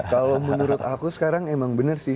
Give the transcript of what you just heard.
kalau menurut aku sekarang emang bener sih